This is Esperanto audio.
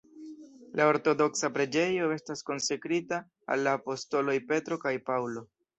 La ortodoksa preĝejo estas konsekrita al la apostoloj Petro kaj Paŭlo.